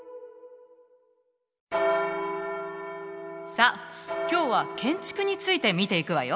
さあ今日は建築について見ていくわよ。